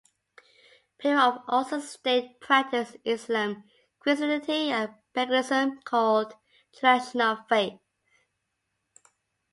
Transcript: People of Osun State practice Islam, Christianity and paganism called traditional faith.